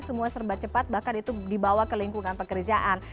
semua serba cepat bahkan itu dibawa ke lingkungan pekerjaan